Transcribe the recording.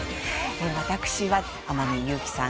私は天海祐希さん